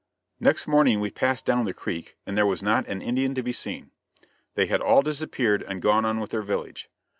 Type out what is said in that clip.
Next morning we passed down the creek and there was not an Indian to be seen. They had all disappeared and gone on with their village.